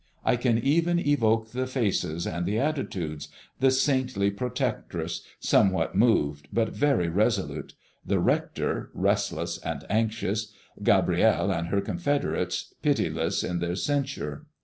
I can even evoke the faces and the attitudes, the saintly protectress, somewhat moved, but very resolute; the rector, restless and anxious; Gabrielle and her confederates, pitiless in their censure.